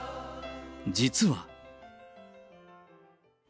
実は。